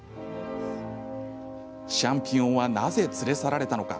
シャンピオンはなぜ連れ去られたのか